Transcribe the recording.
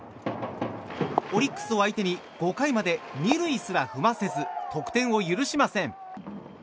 オリックスを相手に５回まで２塁すら踏ませず得点を許しません。